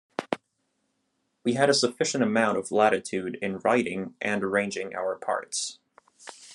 We had a sufficient amount of latitude in writing and arranging our parts.